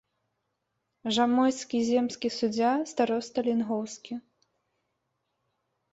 Жамойцкі земскі суддзя, староста лінгоўскі.